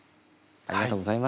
ありがとうございます。